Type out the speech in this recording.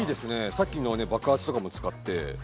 さっきのね爆発とかも使って。